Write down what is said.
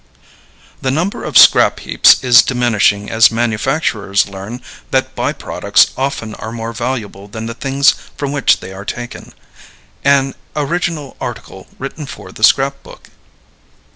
The Number of Scrap Heaps Is Diminishing as Manufacturers Learn that By Products Often Are More Valuable than the Things from Which They Are Taken. An original article written for THE SCRAP BOOK.